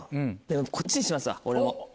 こっちにしますわ俺も。